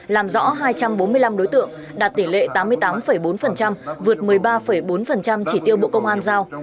làm rõ hai trăm bốn mươi năm đối tượng đạt tỷ lệ tám mươi tám bốn vượt một mươi ba bốn chỉ tiêu bộ công an giao